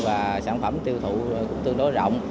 và sản phẩm tiêu thụ cũng tương đối rộng